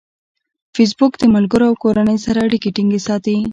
فېسبوک د ملګرو او کورنۍ سره اړیکې ټینګې ساتي.